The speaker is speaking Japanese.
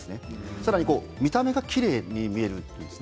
さらに見た目がきれいなんです。